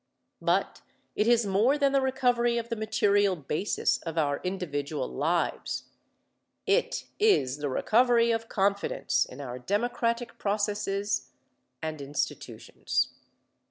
But it is more than the recovery of the material basis of our individual lives. It is the recovery of confidence in our democratic processes and institutions.